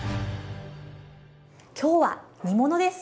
今日は煮物です。